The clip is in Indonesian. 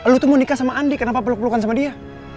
lu tuh mau nikah sama andi kenapa peluk pelukan sama dia